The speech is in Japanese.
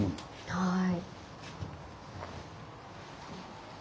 はい。